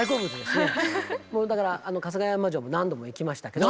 もうだから春日山城も何度も行きましたけど。